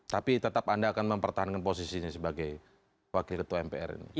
tapi tetap anda akan mempertahankan posisinya sebagai wakil ketua mpr ini